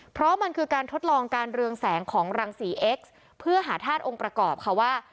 เพราะมันคือการทดลองการเรืองแสงของรังสีเอ็กซ์เพื่อหาธาตุองค์ประกอบค่ะว่า